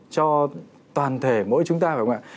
cho toàn thể mỗi chúng ta phải không ạ